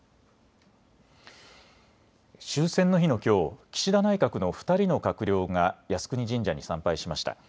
終戦の日のきょう、岸田内閣の２人の閣僚が靖国神社に参拝しました。